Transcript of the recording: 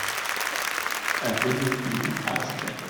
I didn't even ask him.